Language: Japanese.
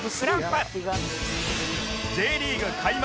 Ｊ リーグ開幕